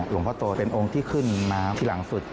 หลวงพ่อโตเป็นองค์ที่ขึ้นน้ำที่หลังสุด